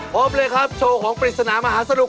พบเลยครับโชว์ของปริศนามหาสนุก